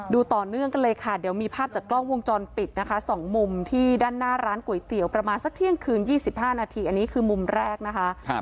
ดูต่อเนื่องกันเลยค่ะเดี๋ยวมีภาพจากกล้องวงจรปิดนะคะ๒มุมที่ด้านหน้าร้านก๋วยเตี๋ยวประมาณสักเที่ยงคืน๒๕นาทีอันนี้คือมุมแรกนะคะ